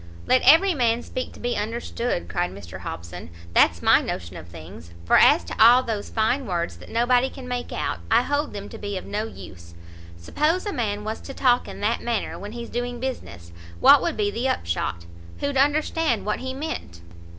"Let every man speak to be understood," cried Mr Hobson, "that's my notion of things; for as to all those fine words that nobody can make out, I hold them to be of no use. Suppose a man was to talk in that manner when he's doing business, what would be the upshot? who'd understand what he meant?